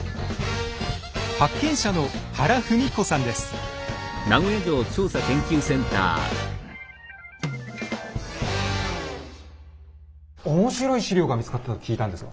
発見者の面白い史料が見つかったと聞いたんですが。